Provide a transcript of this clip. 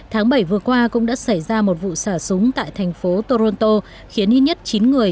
tháng bảy vừa qua cũng đã xảy ra một vụ xả súng tại thành phố toronto khiến ít nhất chín người